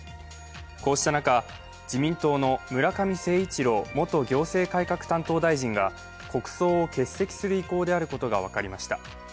こうした中、自民党の村上誠一郎元行政改革担当大臣が国葬を欠席する意向であることが分かりました。